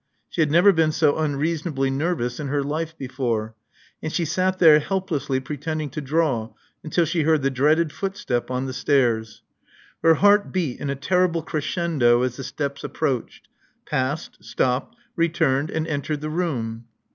She had never been so unreasonably nervous in her life before; and she sat there helplessly pre tending to draw until she heard the dreaded footstep on the stairs. Her heart beat in a terrible crescendo as the steps approached; passed; stopped; returned; and entered the room.